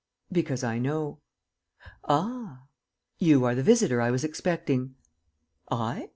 "Because I know." "Ah!" "You are the visitor I was expecting." "I?"